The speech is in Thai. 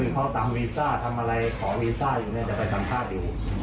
เขาทำวีซ่าทำอะไรขอวีซ่าอยู่เนี่ยจะไปสัมภาษณ์อยู่